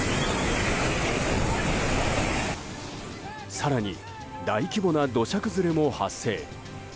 更に、大規模な土砂崩れも発生。